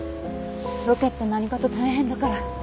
ロケって何かと大変だから。